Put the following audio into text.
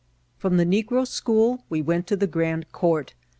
From the n^^ro school we went to the Grand Court.